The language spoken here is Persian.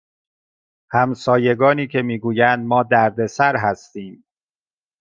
همسایگانی که می گویند ما دردسر هستیم